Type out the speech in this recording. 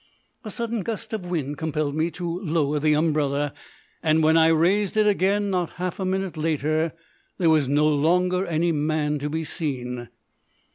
A sudden gust of wind compelled me to lower the umbrella, and when I raised it again, not half a minute later, there was no longer any man to be seen.